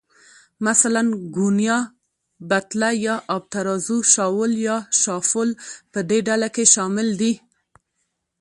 مثلاً، ګونیا، بتله یا آبترازو، شاول یا شافول په دې ډله کې شامل دي.